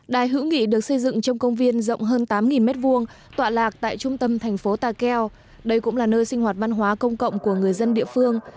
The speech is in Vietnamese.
đài hữu nghị được xây dựng trong công viên rộng hơn tám m hai tọa lạc tại trung tâm thành phố takeo đây cũng là nơi sinh hoạt văn hóa công cộng của người dân địa phương